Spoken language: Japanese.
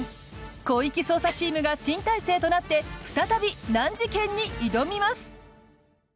広域捜査チームが新体制となって再び難事件に挑みます。